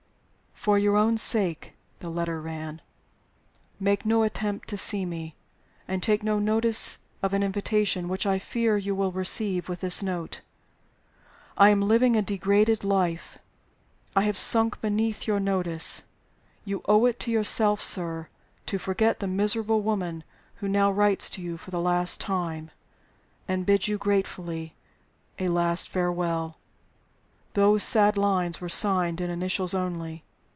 "For your own sake" (the letter ran) "make no attempt to see me, and take no notice of an invitation which I fear you will receive with this note. I am living a degraded life. I have sunk beneath your notice. You owe it to yourself, sir, to forget the miserable woman who now writes to you for the last time, and bids you gratefully a last farewell." Those sad lines were signed in initials only.